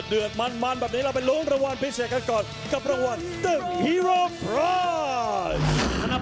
ที่สำคัญมาแล้วก็ไปฟังคำราศิลป์บนเวทีครับ